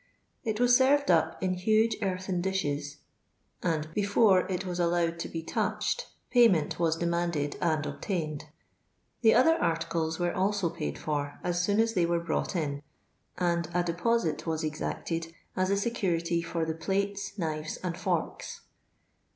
It was served up in huge earthen dishes, and before it was allowed to be touched payment was demanded and obtained ,* the other articles were also paid for ns soon as they were brought in ; and a deposit was exacted as a security for the plates, knives, and forks.